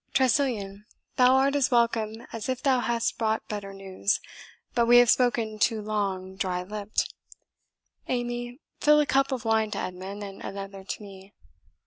Tressilian, thou art as welcome as if thou hadst brought better news. But we have spoken too long dry lipped. Amy, fill a cup of wine to Edmund, and another to me."